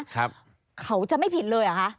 เขาจะไม่ผิดเลยเหรอคะ